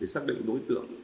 xác định đối tượng